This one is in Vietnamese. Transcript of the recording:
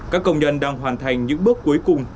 các công nhân đang hoàn thành những bước cuối cùng